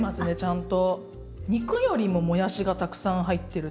肉よりももやしがたくさん入ってるって。